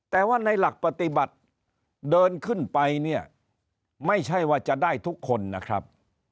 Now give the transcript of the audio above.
แต่ว่าในหลักปฏิบัติเดินขึ้นไปเนี่ยไม่ใช่ว่าจะได้ทุกคนนะครับ